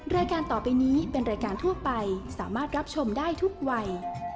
รายการต่อไปนี้เป็นรายการทั่วไปสามารถรับชมได้ทุกวัย